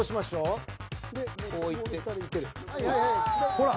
［ほら］